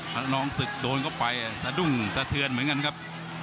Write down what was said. ทองศึกโดนเข้าไปสะดุ้งสะเทือนเหมือนกันครับ